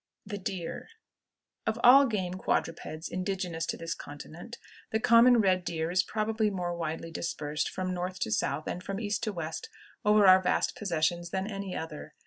THE DEER. Of all game quadrupeds indigenous to this continent, the common red deer is probably more widely dispersed from north to south and from east to west over our vast possessions than any other.